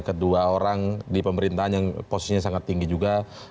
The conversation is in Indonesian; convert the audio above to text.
kedua orang di pemerintahan yang posisinya sangat tinggi juga